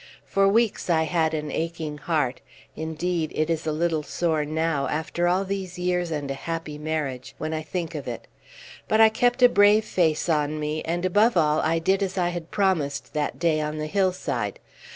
For weeks I had an aching heart; indeed, it is a little sore now, after all these years and a happy marriage, when I think of it. But I kept a brave face on me; and, above all, I did as I had promised that day on the hillside.